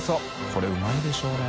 海うまいでしょうね。